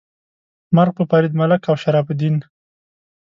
مرګ په فرید ملک او شرف الدین. 🤨